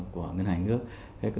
của ngân hàng nước